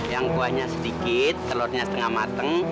yang kuahnya sedikit telurnya setengah mateng